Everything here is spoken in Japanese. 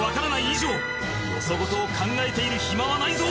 以上よそごとを考えている暇はないぞ！